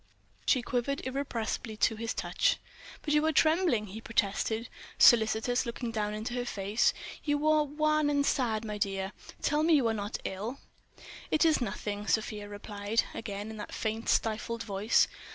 She quivered irrepressibly to his touch. "But you are trembling!" he protested, solicitous, looking down into her face—"you are wan and sad, my dear. Tell me you are not ill." "It is nothing," Sofia replied—again in that faint, stifled voice.